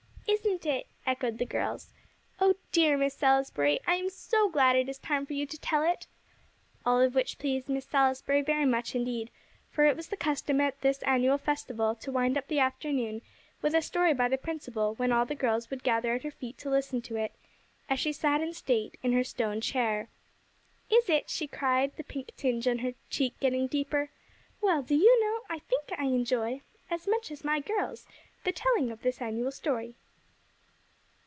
"Isn't it!" echoed the girls. "Oh, dear Miss Salisbury, I am so glad it is time for you to tell it." All of which pleased Miss Salisbury very much indeed, for it was the custom at this annual festival to wind up the afternoon with a story by the principal, when all the girls would gather at her feet to listen to it, as she sat in state in her stone chair. "Is it?" she cried, the pink tinge on her cheek getting deeper. "Well, do you know, I think I enjoy, as much as my girls, the telling of this annual story."